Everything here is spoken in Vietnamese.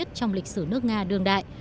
trong lịch sử nước nga đường đại